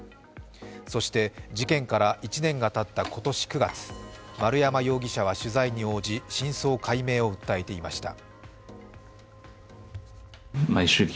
そして事件から１年がたった今年９月、丸山容疑者は取材に応じ真相解明を訴えていました。